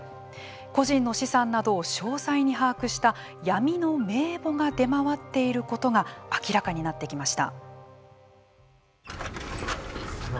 個人の資産などを詳細に把握した闇の名簿が出回っていることが明らかになってきました。